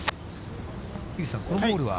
樋口さん、このホールは？